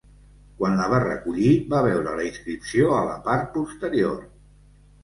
Quan la va recollir, va veure la inscripció a la part posterior.